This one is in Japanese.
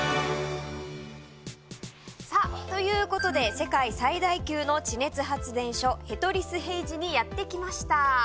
さあということで世界最大級の地熱発電所。にやって来ました。